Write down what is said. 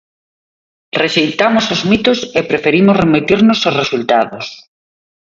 Rexeitamos os mitos e preferimos remitirnos aos resultados.